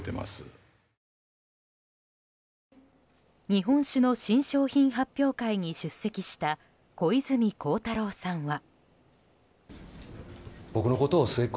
日本酒の新商品発表会に出席した小泉孝太郎さんは。